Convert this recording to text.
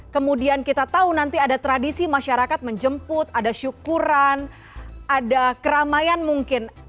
kemudian kita tahu nanti ada tradisi masyarakat menjemput ada syukuran ada keramaian mungkin